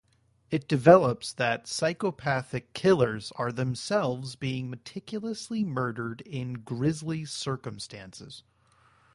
It develops that psychopathic killers are themselves being meticulously murdered in grisly circumstances.